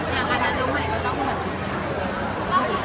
เพราะว่าหนูไม่ได้ไปควรจุด